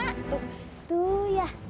tuh tuh ya